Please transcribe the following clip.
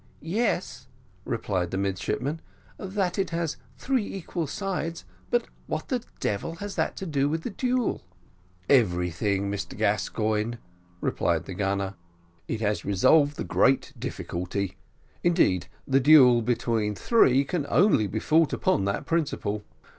"Yes," replied the midshipman, "that it has three equal sides but what the devil has that to do with the duel?" "Everything, Mr Gascoigne," replied the gunner; "it has resolved the great difficulty: indeed, the duel between three can only be fought upon that principle.